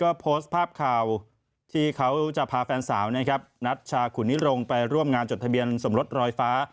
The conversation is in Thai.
ก็โพสต์ภาพข่าวที่เขาจะพาแฟนสาวนะครับนัชชาขุนิรงค์ไปร่วมงานจดทะเบียนสมรสรอยฟ้า